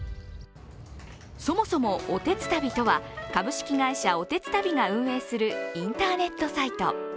そもそも、おてつたびとは株式会社おてつたびが運営するインターネットサイト。